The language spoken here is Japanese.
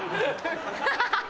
ハハハ。